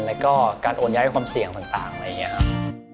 แล้วก็การโอนแยกความเสี่ยงต่างอะไรเงี้ยครับ